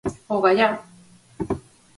¡Ogallá!